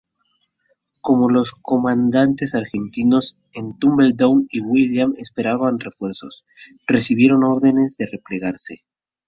Como los comandantes argentinos en Tumbledown y William esperaban refuerzos, recibieron ordenes de replegarse.